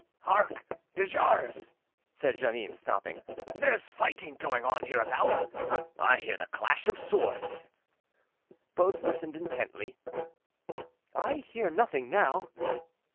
"Hark, de Jars!" said Jeannin, stopping, "There's fighting going on hereabouts; I hear the clash of swords." Both listened intently. "I hear nothing now."